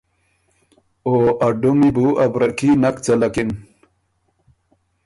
او ا ډُمی بُو ا بره کي نک څلکِن۔